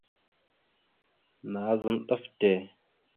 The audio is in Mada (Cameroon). Nazam ɗaf te.